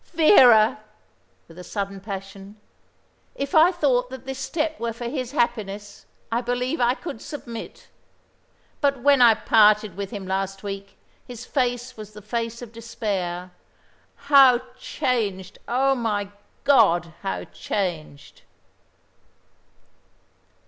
Vera!" with a sudden passion, "if I thought that this step were for his happiness, I believe I could submit; but when I parted with him last week his face was the face of despair. How changed, oh, my God, how changed!"